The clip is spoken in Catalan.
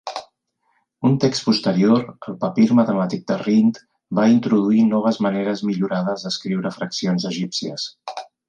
Un text posterior, el papir matemàtic de Rhind, va introduir noves maneres millorades d'escriure fraccions egípcies.